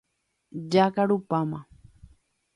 Jakarupáma.